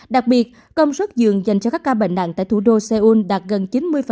đặc biệt công suất giường dành cho các ca bệnh nặng tại thủ đô seoul đạt gần chín mươi